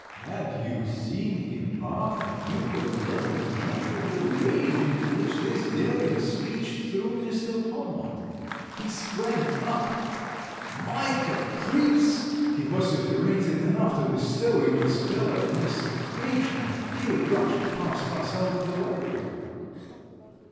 Had you seen him, Arthur, you could alone judge of the rage into which this daring speech threw Mr. Valmont. He sprang up, My caprice! he vociferated, and after bestowing on Sibella an execration, he rushed past us out of the library.